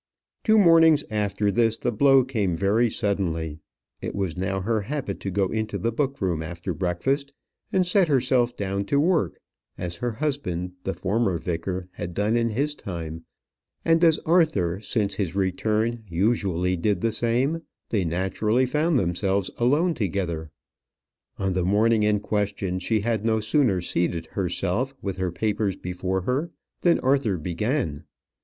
Two mornings after this the blow came very suddenly. It was now her habit to go into the book room after breakfast, and set herself down to, work as her husband, the former vicar, had done in his time and as Arthur, since his return, usually did the same, they naturally found themselves alone together. On the morning in question, she had no sooner seated herself, with her papers before her, than Arthur began.